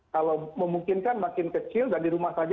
kalau memungkinkan makin kecil dan di rumah saja